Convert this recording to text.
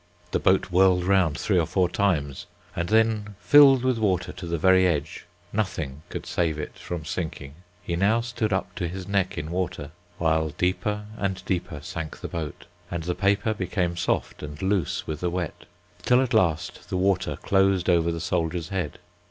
The boat whirled round three or four times, and then filled with water to the very edge; nothing could save it from sinking. He now stood up to his neck in water, while deeper and deeper sank the boat, and the paper became soft and loose with the wet, till at last the water closed over the soldier's head.